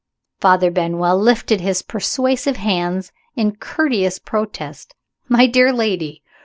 Father Benwell lifted his persuasive hands in courteous protest. "My dear lady!